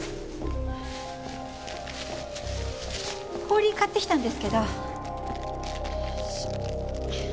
氷買ってきたんですけど。